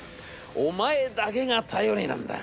お前だけが頼りなんだ。